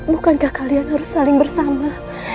bukankah kalian harus saling bersama